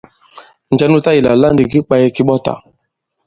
Njɛ nu tayī àlà àla ndì ki kwāye ki ɓɔtà?